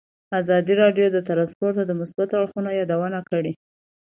ازادي راډیو د ترانسپورټ د مثبتو اړخونو یادونه کړې.